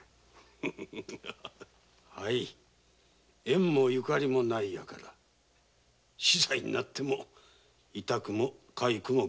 縁もゆかりもないヤカラ死罪になっても痛くもかゆくも。